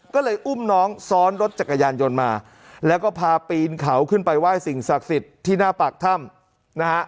ก็เลยอุ้มน้องซ้อนรถจักรยานยนต์มาแล้วก็พาปีนเขาขึ้นไปไหว้สิ่งศักดิ์สิทธิ์ที่หน้าปากถ้ำนะฮะ